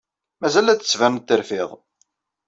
Mazal la d-tettbaned terfid.